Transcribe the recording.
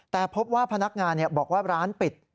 แต่พบว่าพนักงานบอกว่าร้านปิด